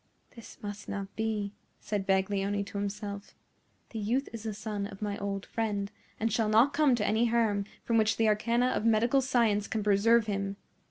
"This must not be," said Baglioni to himself. "The youth is the son of my old friend, and shall not come to any harm from which the arcana of medical science can preserve him.